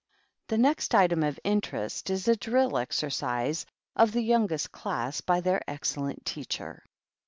The next item of interest is a drill exercise of the youngest class by their excellent teacher."